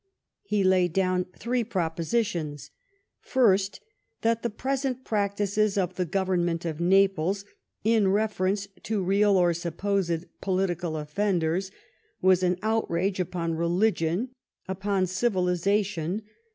He laid down three propositions :" First, that the present prac tices of the Government of Naples in reference to real or supposed political offenders are an outrage upon religion, upon civilization, upon humanity, and upon decency.